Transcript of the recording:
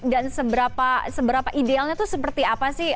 dan seberapa idealnya itu seperti apa sih